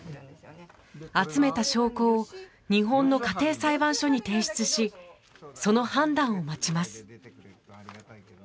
集めた証拠を日本の家庭裁判所に提出しその判断を待ちます。